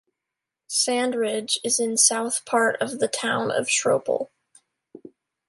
Sand Ridge is in south part of the Town of Schroeppel.